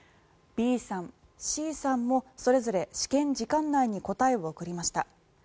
Ｂさん、Ｃさんもそれぞれ試験時間内に答えを送りました。